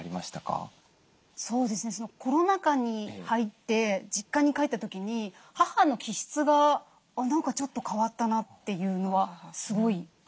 そうですねコロナ禍に入って実家に帰った時に母の気質が「何かちょっと変わったな」というのはすごいありましたね。